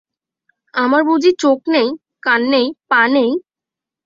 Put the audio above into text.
আমার বুঝি চোখ নেই, কান নেই, পা নেই?